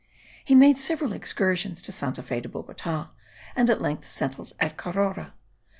He made several excursions to Santa Fe de Bogota, and at length settled at Carora.